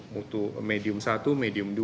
mutu medium satu medium dua